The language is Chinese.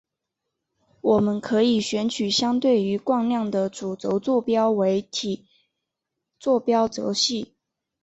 我们可以选取相对于惯量的主轴坐标为体坐标轴系。